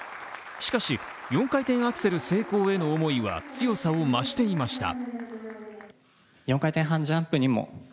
しかし４回転アクセル成功への思いは強さを増していました。